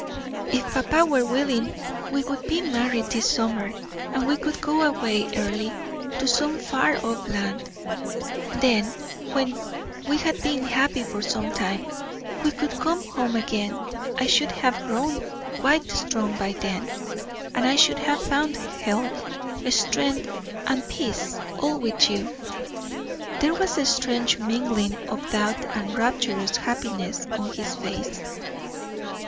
"If papa were willing we would be married this summer, and we could go away, Earle, to some far off land; then when we had been happy for some time we could come home again. I should have grown quite strong by then, and I should have found health, strength, and peace, all with you." There was a strange mingling of doubt and rapturous happiness on his face.